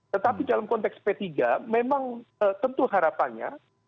tetapi dalam konteks p tiga memang tentu harapannya